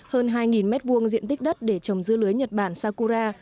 hơn hai mét vuông diện tích đất để trồng dưa lưới nhật bản sakura